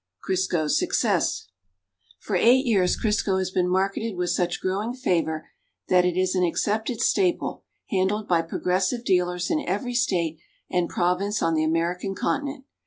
THE CRISCO FACTORY I'^W AUTOMATIC FILLERS. CRISCO'S SUCCESS For eight years Crisco has been marketed with such growing favor that it is an accepted staple liandled by progressive dealers in every state and province on the American continent.